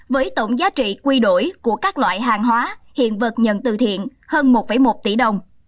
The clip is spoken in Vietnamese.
với tổng giá trị quy đổi của các loại hàng hóa hiện vật nhận từ thiện hơn một một tỷ đồng